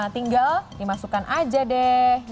tinggal dimasukkan aja deh